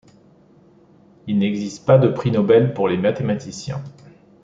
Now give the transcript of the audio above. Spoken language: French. Il n'existe pas de prix Nobel pour les mathématiciens.